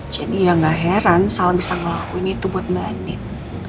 jadi ya ga heran sal bisa ngelakuin itu buat mba nin